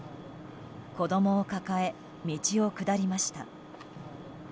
子供を抱え、道を下りました。